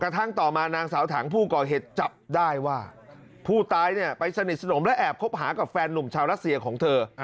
ทั้งต่อมานางสาวถังผู้ก่อเหตุจับได้ว่าผู้ตายเนี่ยไปสนิทสนมและแอบคบหากับแฟนหนุ่มชาวรัสเซียของเธอ